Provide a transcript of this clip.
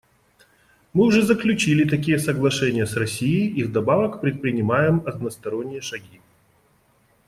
Мы уже заключили такие соглашения с Россией и вдобавок предпринимаем односторонние шаги.